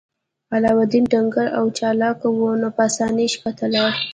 علاوالدین ډنګر او چلاک و نو په اسانۍ ښکته لاړ.